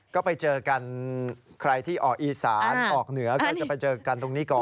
ก็ไปเจอกันใครที่ออกอีสานออกเหนือก็จะไปเจอกันตรงนี้ก่อน